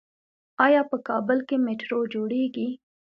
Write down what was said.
آیا په کابل کې میټرو جوړیږي؟